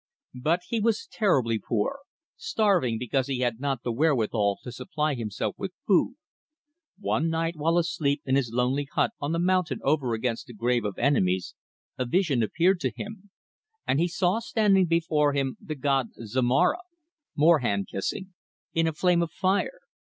But he was terribly poor, starving because he had not the wherewithal to supply himself with food. One night while asleep in his lonely hut on the mountain over against the Grave of Enemies, a vision appeared to him, and he saw standing before him the god Zomara" more hand kissing "in a flame of fire.